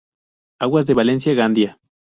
Aguas de Valencia Gandia.